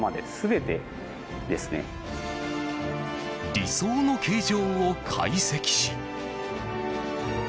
理想の形状を解析し。